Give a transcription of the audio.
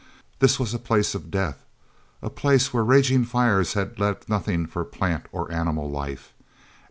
This was a place of death, a place where raging fires had left nothing for plant or animal life.